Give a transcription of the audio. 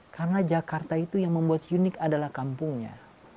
karena jakarta itu yang membuat unik adalah kampungnya